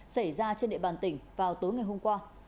xảy ra trên địa bàn tỉnh vào tối ngày hôm qua